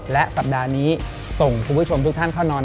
และสัปดาห์นี้ส่งคุณผู้ชมทุกท่านเข้านอน